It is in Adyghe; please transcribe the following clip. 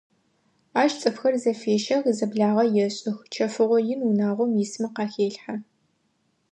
Ащ цӏыфхэр зэфещэх, зэблагъэ ешӏых: чэфыгъо ин унагъом исмэ къахелъхьэ.